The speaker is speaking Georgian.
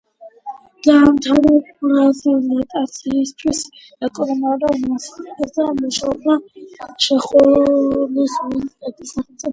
დაამთავრა ბრატისლავის ეკონომიკური უნივერსიტეტი და მუშაობდა ჩეხოსლოვაკიის სახელმწიფო ბანკში.